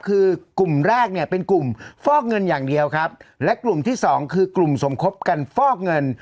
คือกลุ่มแรกเนี่ยเป็นกลุ่มฟอกเงินอย่างเดียวครับและกลุ่มที่สองคือกลุ่มสมคบกันฟอกเงิน